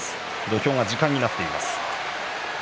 土俵が時間になっています。